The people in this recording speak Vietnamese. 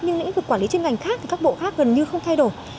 nhưng lĩnh vực quản lý chuyên ngành khác thì các bộ khác gần như không thay đổi